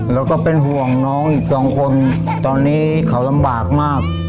แล้วก็เป็นห่วงน้องอีกสองคนตอนนี้เขาลำบากมาก